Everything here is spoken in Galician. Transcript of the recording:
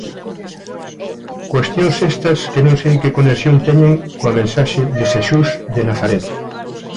Cuestións estas que non sei que conexión teñen coa mensaxe de Xesús de Nazaret.